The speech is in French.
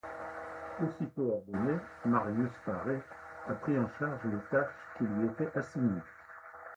Aussitôt ordonné, Marius Paré a pris en charge les tâches qu’il lui était assigné.